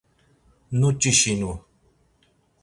nuç̌işinu.